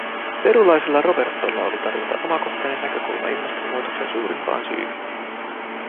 Perulaisella Robertolla oli tarjota omakohtainen näkökulma ilmastonmuutoksen suurimpaan syyhyn.